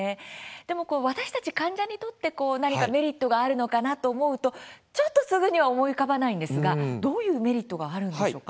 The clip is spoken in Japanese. でも、私たち患者にとって何かメリットがあるのかなと思うと、ちょっとすぐには思い浮かばないんですがどういうメリットがあるのでしょうか。